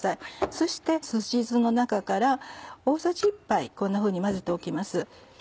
そしてすし酢の中から大さじ１杯こんなふうに混ぜておきます。